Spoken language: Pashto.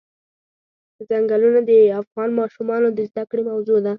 ځنګلونه د افغان ماشومانو د زده کړې موضوع ده.